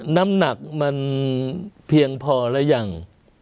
น้ำหนักมันเพียงพอหรือยัง